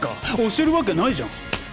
教えるわけないじゃん。